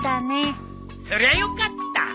そりゃよかった。